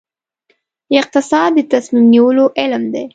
اقتصاد د تصمیم نیولو علم دی